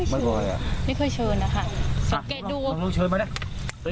ไม่อยู่กัน